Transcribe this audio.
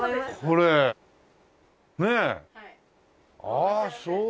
ああそう。